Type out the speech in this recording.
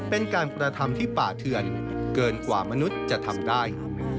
เป็นการกระทำที่ป่าเถื่อนเกินกว่ามนุษย์จะทำได้